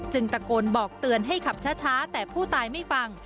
ตะโกนบอกเตือนให้ขับช้าแต่ผู้ตายไม่ฟัง